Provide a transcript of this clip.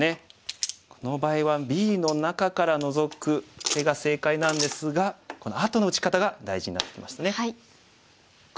この場合はＢの中からノゾく手が正解なんですがこのあとの打ち方が大事になってきますね。